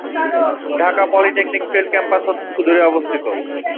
Dhaka polytechnic field campus হতে একটু দুরে অবস্থিত।